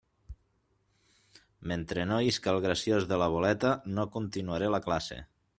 Mentre no isca el graciós de la boleta, no continuaré la classe.